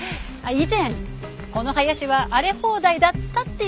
以前この林は荒れ放題だったっていうのは事実よ。